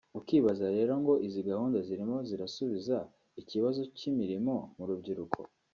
ukibaza rero ngo izi gahunda zirimo zirasubiza ikibazo cy’imirimo mu rubyiruko